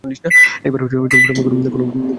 এইবার কোনো ভুল সিদ্ধান্ত নিস না।